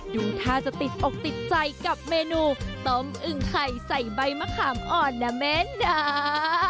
ดูท่าจะติดอกติดใจกับเมนูต้มอึ่งไข่ใส่ใบมะขามอ่อนนะแม่ดา